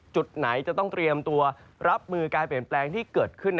จุดไหนจะต้องเตรียมตัวรับมือการเปลี่ยนแปลงที่เกิดขึ้น